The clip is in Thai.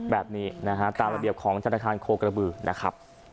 แบบนี้นะฮะตามระเบียบของธนาคารโคกระบือนะครับ